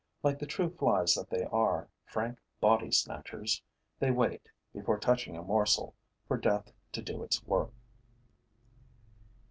Like the true flies that they are, frank body snatchers, they wait, before touching a morsel, for death to do its work.